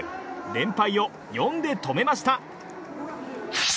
連敗を４で止めました。